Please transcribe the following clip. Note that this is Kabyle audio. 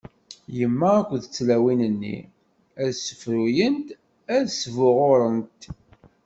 Yemma akked tlawin-nni ad ssefruyent, ad sbuɣurent.